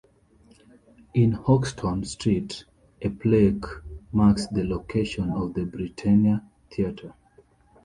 In Hoxton Street, a plaque marks the location of the Britannia Theatre.